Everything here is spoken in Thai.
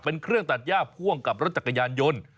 เป็นเครื่องตัดย่าพ่วงกับรถจักรยานยนต์